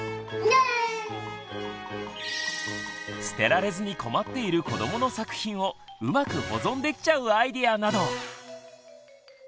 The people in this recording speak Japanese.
捨てられずに困っている子どもの作品をうまく保存できちゃうアイデアなど！